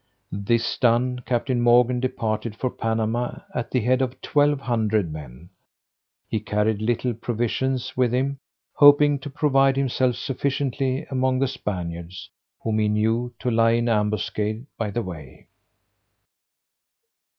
This done, Captain Morgan departed for Panama at the head of twelve hundred men. He carried little provisions with him, hoping to provide himself sufficiently among the Spaniards, whom he knew to lie in ambuscade by the way.